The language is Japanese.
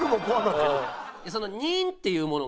その「人」っていうものがあって。